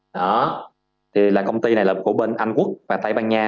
đó thì là công ty này là của bên anh quốc và tây ban nha